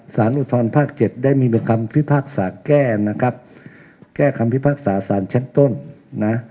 สารอุทธรภาคเจ็ดได้มีคำพิพากษาแก้นะครับแก้คำพิพากษาสารชั้นต้นนะ